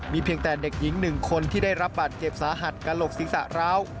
มีเพียงแต่เด็กหญิงหนึ่งคนที่ได้รับบัตรเจ็บสาหัสกระหลกศิษฐะร้าว